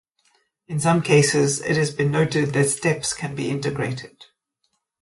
In some cases, it has been noted that steps can be integrated.